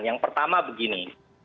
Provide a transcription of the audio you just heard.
yang pertama begini